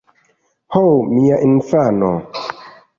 Ho, mia infano!